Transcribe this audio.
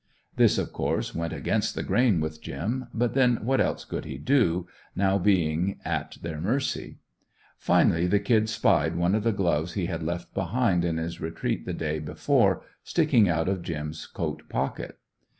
This of course went against the grain with "Jim," but then what else could he do now, being at their mercy? Finally the Kid spied one of the gloves he had left behind in his retreat the day before, sticking out of "Jim's" coat pocket.